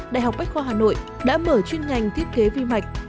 đại học bách khoa hà nội đã mở chuyên ngành thiết kế vi mạch